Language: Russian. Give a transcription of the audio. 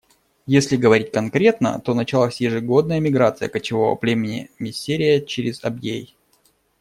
Если говорить конкретно, то началась ежегодная миграция кочевого племени миссерия через Абьей.